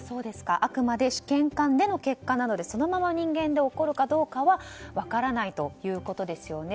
あくまで試験管での結果なのでそのまま人間で起こるかどうかは分からないということですよね。